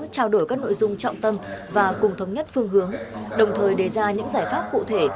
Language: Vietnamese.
trao đổi các nội dung trọng tâm và cùng thống nhất phương hướng đồng thời đề ra những giải pháp cụ thể